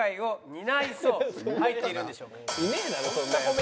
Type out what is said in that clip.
いねえだろそんなヤツ。